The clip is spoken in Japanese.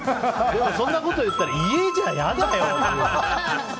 でもそんなこと言ったら家じゃ嫌だよ！って言うよ。